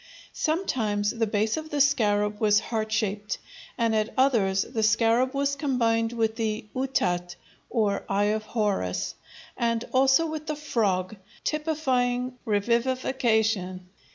Sometimes the base of the scarab was heart shaped and at others the scarab was combined with the "utat," or eye of Horus, and also with the frog, typifying revivification.